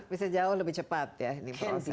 bisa jauh lebih cepat ya ini produksinya